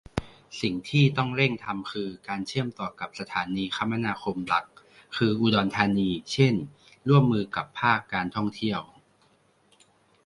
สิ่งที่ต้องเริ่งทำคือ การเชื่อมต่อกับสถานีคมนาคมหลักคือ อุดรธานี เช่น ร่วมมือกับภาคการท่องเที่ยว